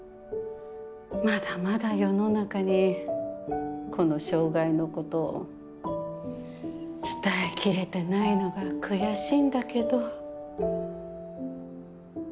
まだまだ世の中にこの障害のことを伝えきれてないのが悔しいんだけど。